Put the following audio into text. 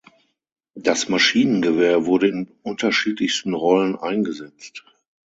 Das Maschinengewehr wurde in unterschiedlichsten Rollen eingesetzt.